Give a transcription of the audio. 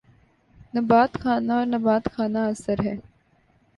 نبات خانہ اور نبات خانہ اثر ہیں